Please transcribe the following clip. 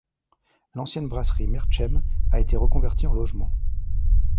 L'ancienne brasserie Merchtem a été reconvertie en logements.